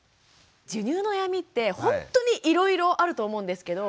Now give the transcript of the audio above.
授乳の悩みってほんとにいろいろあると思うんですけど。